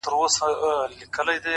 هوډ د وېرې پر وړاندې درېږي.!